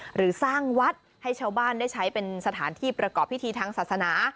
หรือสร้างวัดให้ชาวบ้านได้ใช้เป็นสถานที่ประกอบพิธีทางศาสนา